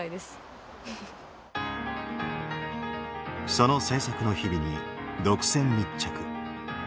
その制作の日々に独占密着。